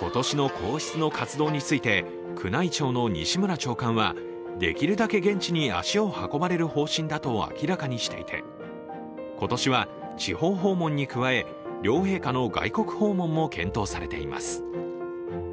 今年の皇室の活動について宮内庁の西村長官はできるだけ現地に足を運ばれる方針だと明らかにしていて今年は地方訪問に加え、両陛下の外国訪問も検討されています。